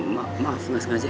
maaf ga sengaja